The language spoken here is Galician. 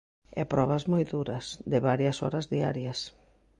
E probas moi duras, de varias horas diarias.